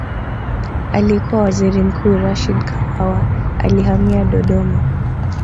Aliyekuwa Waziri Mkuu Rashid Kawawa alihamia Dodoma